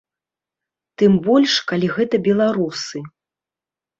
Тым больш калі гэта беларусы.